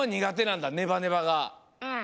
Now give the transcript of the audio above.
うん。